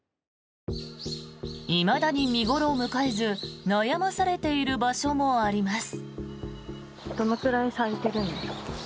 いまだに見頃を迎えず悩まされている場所もあります。